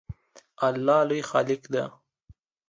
الله لوی خالق دی